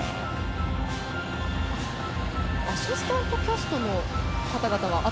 アシスタントキャストの方々は。